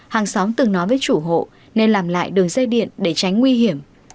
hàng xóm từng nói với chủ hộ nên làm lại đường dây điện để tránh nguy hiểm